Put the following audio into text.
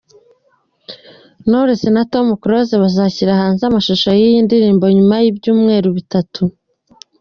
Knowless na Tom Close bazashyira hanze amashusho y'iyi ndirimbo nyuma y'ibyumweru bitatu.